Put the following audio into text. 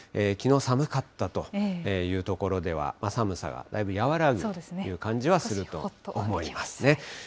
きのう寒かったという所では、寒さがだいぶ和らぐという感じはすると思いますね。